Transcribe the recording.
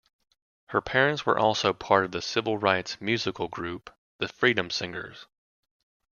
Her parents were also part of the civil rights musical group The Freedom Singers.